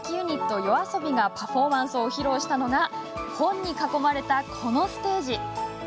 ＹＯＡＳＯＢＩがパフォーマンスを披露したのが本に囲まれた、このステージ。